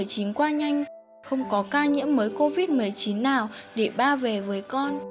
bệnh covid một mươi chín qua nhanh không có ca nhiễm mới covid một mươi chín nào để ba về với con